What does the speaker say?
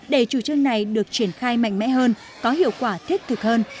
để chủ trương này được triển khai mạnh mẽ hơn có hiệu quả thiết thực hơn